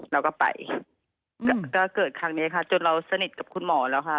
เราก็ไปก็เกิดครั้งนี้ค่ะจนเราสนิทกับคุณหมอแล้วค่ะ